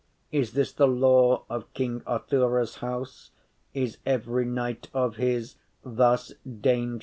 Is this the law of king Arthoures house? Is every knight of his thus dangerous?